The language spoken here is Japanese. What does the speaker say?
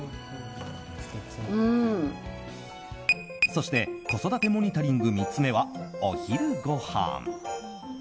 そして、子育てモニタリング３つ目はお昼ごはん。